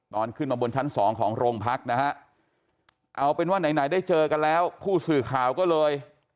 ตอนขึ้นมาบนชั้นสองของโรงพักนะฮะเอาเป็นว่าไหนได้เจอกันแล้วผู้สื่อข่าวก็เลย